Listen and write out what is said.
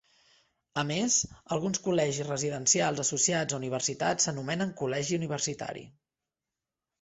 A més, alguns col·legis residencials associats a universitats s'anomenen "Col·legi Universitari".